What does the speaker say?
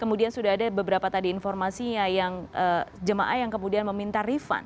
kemudian sudah ada beberapa tadi informasinya yang jemaah yang kemudian meminta refund